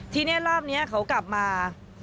ทีนี้รอบนี้เขากลับมา